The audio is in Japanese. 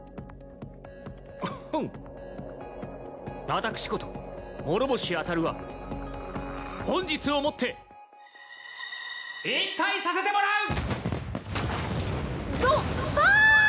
私こと諸星あたるは本日をもって引退させてもらう！